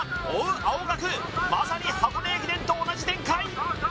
青学まさに箱根駅伝と同じ展開